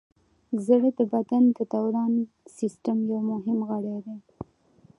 زړه د بدن د دوران سیستم یو مهم غړی دی.